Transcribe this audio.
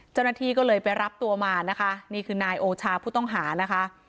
เจ้าหน้าที่ก็เลยไปรับตัวมานะคะนี่คือนายโอชาผู้ต้องหานะคะ